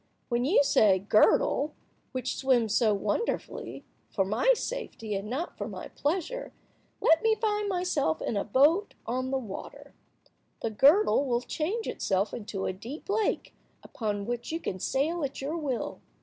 When you say, 'Girdle, which swims so wonderfully, for my safety and not for my pleasure, let me find myself in a boat on the water,' the girdle will change itself into a deep lake, upon which you can sail at your will."